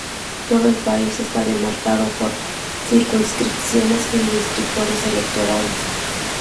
Todo el país está demarcado por circunscripciones y distritos electorales.